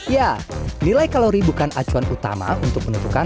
ya nilai kalori bukan acuan utama untuk menentukan